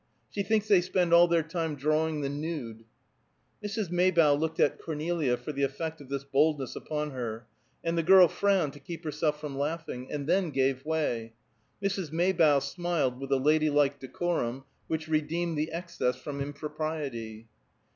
She thinks they spend all their time drawing the nude." Mrs. Maybough looked at Cornelia for the effect of this boldness upon her, and the girl frowned to keep herself from laughing, and then gave way. Mrs. Maybough smiled with a ladylike decorum which redeemed the excess from impropriety.